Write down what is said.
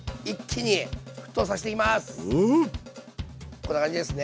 こんな感じですね。